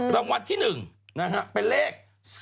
รางวัลที่๑นะฮะเป็นเลข๔